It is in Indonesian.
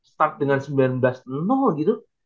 start dengan sembilan belas gitu